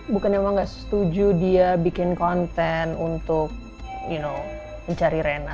bukannya emang gak setuju dia bikin konten untuk you know mencari rena